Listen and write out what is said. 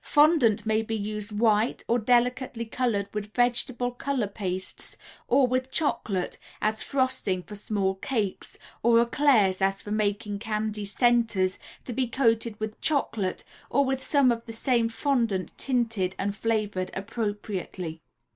Fondant may be used, white or delicately colored with vegetable color pastes or with chocolate, as frosting for small cakes, or éclairs or for making candy "centers," to be coated with chocolate or with some of the same fondant tinted and flavored appropriately.